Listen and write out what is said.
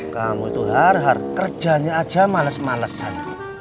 kamu tuh har har kerjanya aja males malesan